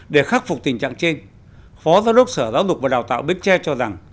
để khắc phục tình trạng trên phó giáo đốc sở giáo dục và đào tạo bến tre cho rằng